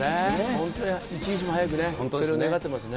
本当に一日も早く、それを願ってますね。